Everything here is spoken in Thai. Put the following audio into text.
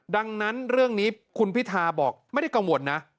ดังนั้นเรื่องนี้คุณพิทาบอกไม่ได้กังวลนะ